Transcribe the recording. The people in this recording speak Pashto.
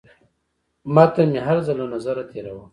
متن مې هر ځل له نظره تېراوه.